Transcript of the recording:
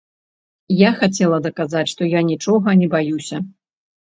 Я хацела даказаць, што я нічога не баюся.